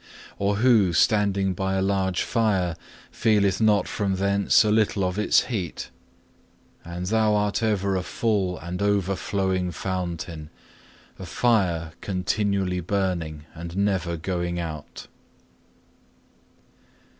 Or who standing by a large fire, feeleth not from thence a little of its heat? And Thou art ever a full and overflowing fountain, a fire continually burning, and never going out.